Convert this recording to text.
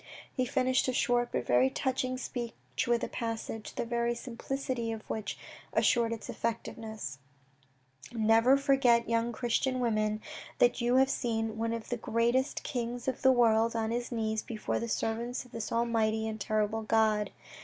He finished a short but very touching speech with a passage, the very simplicity of which assured its effectiveness :" Never forget, young Christian women, that you have seen one of the greatest kings of the world on his knees before the servants of this Almighty and terrible God.